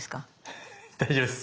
大丈夫ですか？